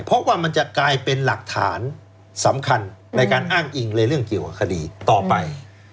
เพราะว่ามันจะกลายเป็นหลักฐานสำคัญในการอ้างอิงในเรื่องเกี่ยวกับคดีต่อไป